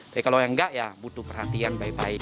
tapi kalau yang enggak ya butuh perhatian baik baik